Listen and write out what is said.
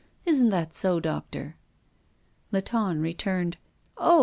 Isn't that so, doctor?" Latonne returned: "Oh!